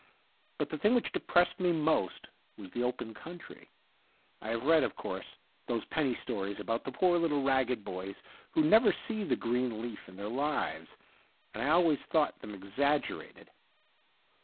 But the thing which depressed me most was the open country. I have read, of coursCj those penny stories about the poor little ragged boys who never see the green leaf in their lives, and I always thought them exaggerated.